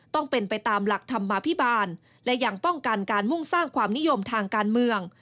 ต้องเป็นไปตามหลักธรรมาภิบาลและยังป้องกันการมุ่งสร้างความนิยมทางการเมือง